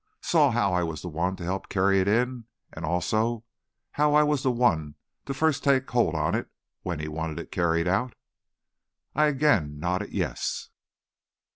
"Saw how I was the one to help carry it in, and also how I was the one to first take hold on it when he wanted it carried out?" I again nodded yes.